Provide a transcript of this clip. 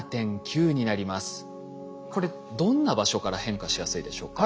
これどんな場所から変化しやすいでしょうか？